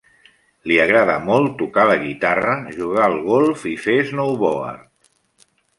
Li agrada molt tocar la guitarra, jugar al golf i fer snowboard.